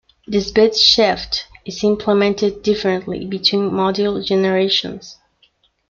This bit shift is implemented differently between module generations.